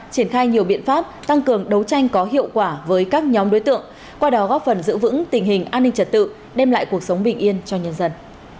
triển khai nhiều biện pháp tăng cường đấu tranh có hiệu quả với các nhóm đối tượng qua đó góp phần giữ vững tình hình an ninh trật tự đem lại cuộc sống bình yên cho nhân dân